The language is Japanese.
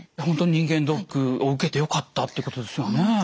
本当に人間ドックを受けてよかったってことですよね？